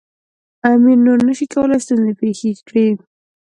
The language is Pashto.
امیر نور نه شي کولای ستونزې پېښې کړي.